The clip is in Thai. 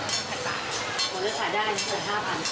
หมดแล้วขายได้ถึงสุด๕๐๐๐บาท